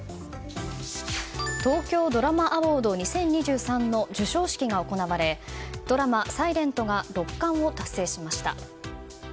東京ドラマアウォード２０２３の授賞式が行われドラマ「ｓｉｌｅｎｔ」が６冠を達成しました。